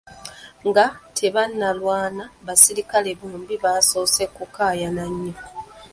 Nga tebannalwana, abasirikale bombi baasoose kukaayana nnyo.